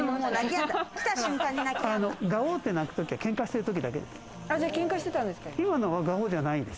ガオ！って鳴く時は喧嘩してるときだけです。